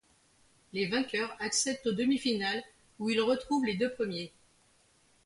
Les vainqueurs accèdent aux demi-finales où ils retrouvent les deux premiers.